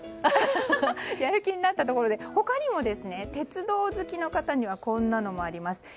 やる気になったところで他には鉄道好きの方にはこんなのもあります。